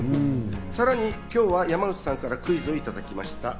さらに今日は山内さんからクイズをいただきました。